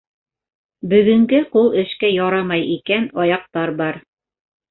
Бөгөнгә ҡул эшкә ярамай икән, аяҡтар бар.